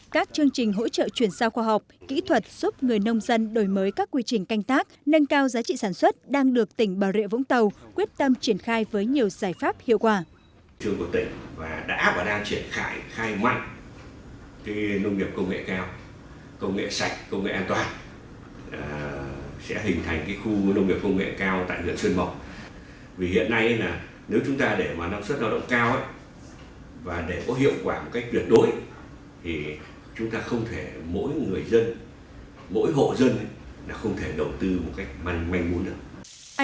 các chương trình hỗ trợ chuyển sao khoa học kỹ thuật giúp người nông dân đổi mới các quy trình canh tác nâng cao giá trị sản xuất đang được tỉnh bà rịa vũng tàu quyết tâm triển khai với nhiều giải pháp hiệu quả